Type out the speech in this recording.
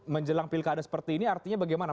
menjelang pilkada seperti ini artinya bagaimana